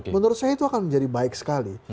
menurut saya itu akan menjadi baik sekali